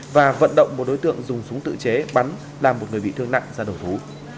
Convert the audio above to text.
và vận động một đối tượng dùng súng tự chế bắn làm một người bị thương nặng ra đầu thú